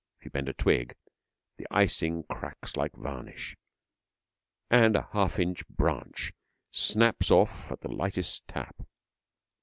If you bend a twig, the icing cracks like varnish, and a half inch branch snaps off at the lightest tap.